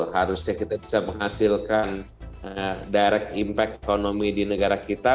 harusnya kita bisa menghasilkan direct impact ekonomi di negara kita